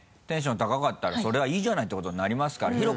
テンション高かったらそれはいいじゃないってことになりますから。